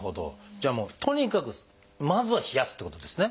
じゃあもうとにかくまずは冷やすってことですね。